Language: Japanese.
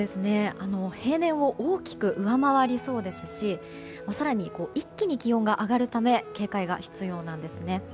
平年を大きく上回りそうですし更に一気に気温が上がるため警戒が必要なんです。